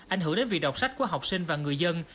ảnh hưởng đến việc đọc sách của học sinh và người dân